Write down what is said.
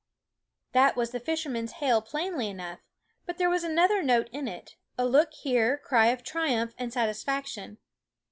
That was the fisherman's hail plainly enough ; but there was another note in it, a look here cry of triumph and satisfac tion.